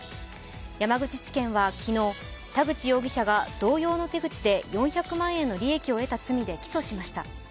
山口地検は昨日、田口容疑者が同様の手口で４００万円の利益を得た罪で起訴しました。